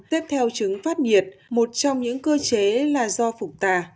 tiếp theo chứng phát nhiệt một trong những cơ chế là do phục tà